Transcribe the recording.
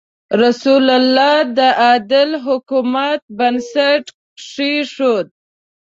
رسول الله د عادل حکومت بنسټ کېښود.